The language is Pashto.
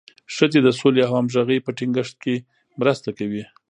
ښځې د سولې او همغږۍ په ټینګښت کې مرسته کوي.